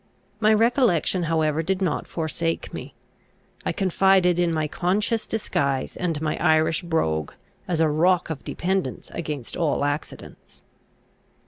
My recollection however did not forsake me. I confided in my conscious disguise and my Irish brogue, as a rock of dependence against all accidents.